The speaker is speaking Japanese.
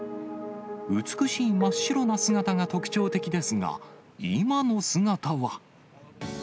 美しい真っ白な姿が特徴的ですが、今の姿は。